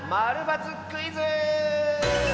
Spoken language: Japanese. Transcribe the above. ○×クイズ」！